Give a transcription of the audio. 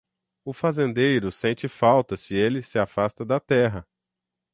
O fazendeiro sente falta se ele se afasta da terra.